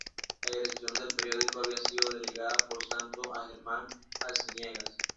La dirección del periódico había sido delegada por Santos a Germán Arciniegas.